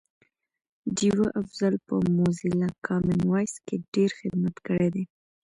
ډیوه افضل په موزیلا کامن وایس کی ډېر خدمت کړی دی